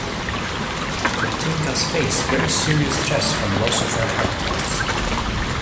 Cotingas face very serious threats from loss of their habitats.